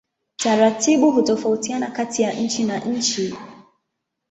Taratibu hutofautiana kati ya nchi na nchi.